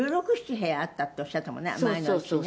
部屋あったっておっしゃったもんね前のおうちね。